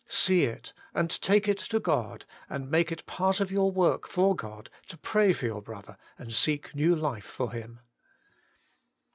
See it, and take it to God, and make it part of your work for God to pray for your brother and seek new life for him.